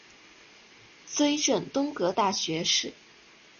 追赠东阁大学士。